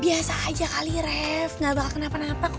biasa aja kali ref gak bakal kenapa napa kok